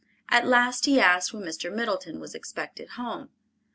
At last he asked when Mr. Middleton was expected home.